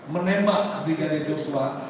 menembak brigadir joshua